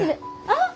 あっ！